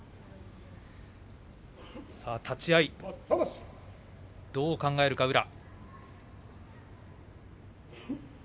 さあ立ち合いどう考えるか宇良。